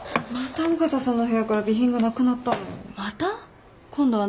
また尾形さんの部屋から備品がなくなったの。